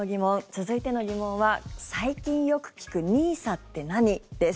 続いての疑問は、最近よく聞くＮＩＳＡって何？です。